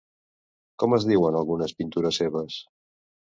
Com es diuen algunes pintures seves?